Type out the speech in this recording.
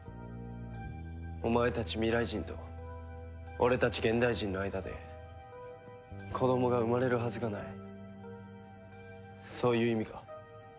お前たち未来人と俺たち現代人の間で子供が生まれるはずがないそういう意味か？